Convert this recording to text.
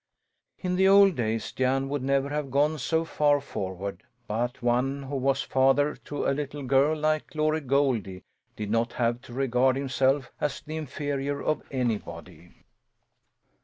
In the old days Jan would never have gone so far forward; but one who was father to a little girl like Glory Goldie did not have to regard himself as the inferior of anybody.